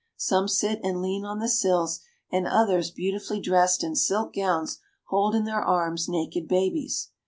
Some sit and lean on the sills, and others, beautifully dressed in silk gowns, hold in their arms naked babies.